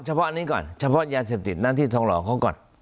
เฉพาะอันนี้ก่อนเฉพาะยาเสพติดนั้นที่ทองหล่อเขาก่อน